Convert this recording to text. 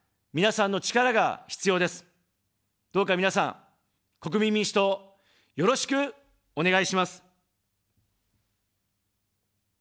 どうか皆さん、国民民主党、よろしくお願いします。